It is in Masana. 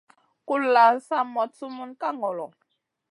Kulʼla sa moɗ sumun ka ŋolo.